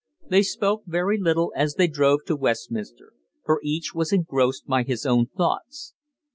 They spoke very little as they drove to Westminster, for each was engrossed by his own thoughts.